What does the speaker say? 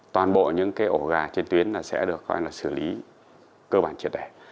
toàn bộ những cái ổ gà trên tuyến là sẽ được coi là xử lý cơ bản triệt đẻ